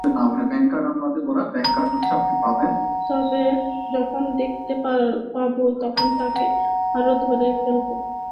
তাকে যখন দেখতে পাবো তখন তাকে আমরা ধরে ফেলবো।